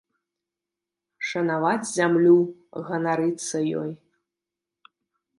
Шанаваць зямлю, ганарыцца ёй.